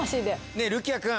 ねえるきあくん。